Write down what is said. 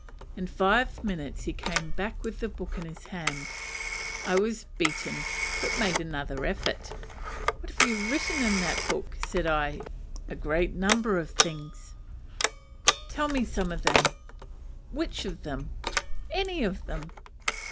In five minutes he came back with the book in his hand! I was beaten, but made another effort. "What have you written in that book?" said I. "A great many things." "Tell me some of them." "Which of them?" "Any of them."